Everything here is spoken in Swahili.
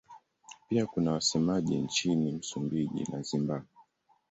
Pia kuna wasemaji nchini Msumbiji na Zimbabwe.